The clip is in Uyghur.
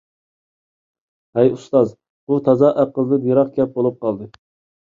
ھەي ئۇستاز، بۇ تازا ئەقىلدىن يىراق گەپ بولۇپ قالدى.